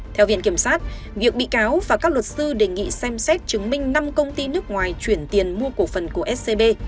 theo viện kiểm sát việc bị cáo và các luật sư đề nghị xem xét chứng minh năm công ty nước ngoài chuyển tiền mua cổ phần của scb